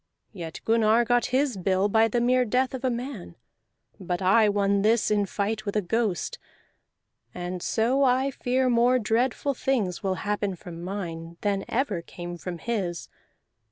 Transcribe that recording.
Yet Gunnar got his bill by the mere death of a man; but I won this in fight with a ghost, and so I fear more dreadful things will happen from mine than ever came from his.